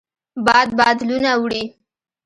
باد بادلونه وړي